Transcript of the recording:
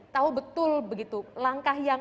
tahu betul begitu langkah yang